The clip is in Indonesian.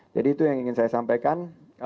jadi itu yang ingin saya sampaikan